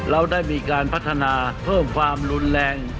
เราได้มีการพัฒนาเพิ่มความรุนแรง